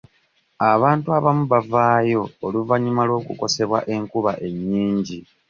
Abantu abamu baavaawo oluvannyuma lw'okukosebwa enkuba ennyingi.